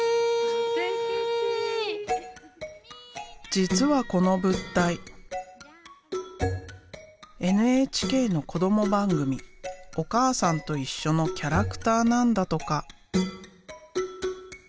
実はこの物体ＮＨＫの子ども番組「おかあさんといっしょ」のキャラクターなんだとか。